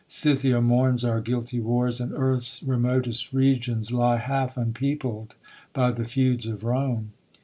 Scythia mourns Our guilty wars, and earth's remotest regions Lie half unpeopled by the feuds of Rome.